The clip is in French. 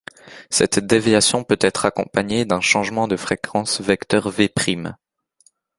Cette déviation peut être accompagnée d'un changement de fréquence ν → ν'.